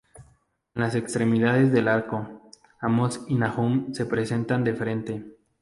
En las extremidades del arco, Amós y Nahum se presentan de frente.